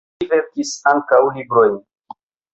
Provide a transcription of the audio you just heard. Li verkis ankaŭ librojn.